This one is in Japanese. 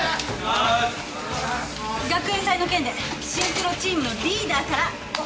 学園祭の件でシンクロチームのリーダーからお話が。